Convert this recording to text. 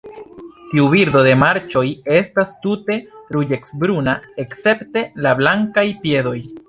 Tiu birdo de marĉoj estas tute ruĝecbruna, escepte la blankaj piedoj.